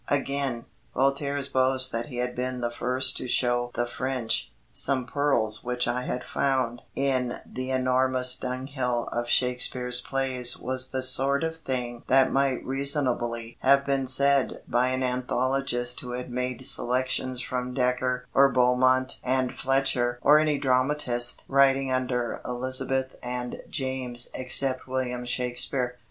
Again, Voltaire's boast that he had been the first to show the French "some pearls which I had found" in the "enormous dunghill" of Shakespeare's plays was the sort of thing that might reasonably have been said by an anthologist who had made selections from Dekker or Beaumont and Fletcher or any dramatist writing under Elizabeth and James except William Shakespeare.